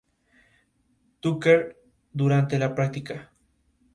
Tucker durante la práctica.